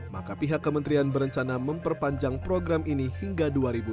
maka pihak kementerian berencana memperpanjang program ini hingga dua ribu dua puluh